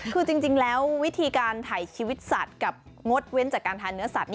คือจริงแล้ววิธีการถ่ายชีวิตสัตว์กับงดเว้นจากการทานเนื้อสัตว